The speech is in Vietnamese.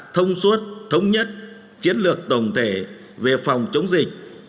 thông suốt thống nhất chiến lược tổng thể về phòng chống dịch